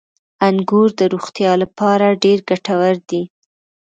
• انګور د روغتیا لپاره ډېر ګټور دي.